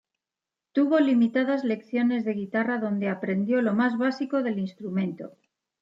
Tuvo limitadas lecciones de guitarra dónde aprendió lo más básico del instrumento.